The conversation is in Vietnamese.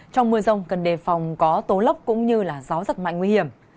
trong mưa rông cần đề phòng có tố lốc cũng như gió giật mạnh nguy hiểm